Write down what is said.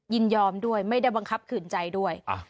ยินยอมด้วยไม่ได้บังคับขืนใจด้วย